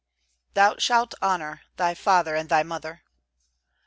"Thou shalt honor thy father and thy mother."